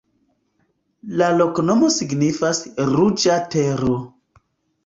La loknomo signifas: ruĝa tero.